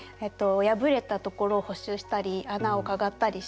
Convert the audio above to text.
破れたところを補修したり穴をかがったりして。